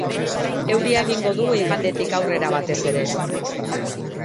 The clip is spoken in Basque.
Euria egingo du, igandetik aurrera batez ere.